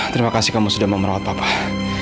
terima kasih kamu sudah memerawat papa